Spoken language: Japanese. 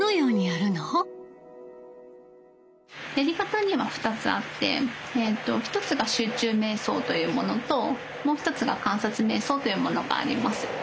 やり方には２つあって１つが集中瞑想というものともう一つが観察瞑想というものがあります。